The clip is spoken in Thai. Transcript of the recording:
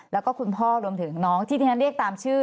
แล้วก็คุณพ่อรวมถึงน้องที่ที่ฉันเรียกตามชื่อ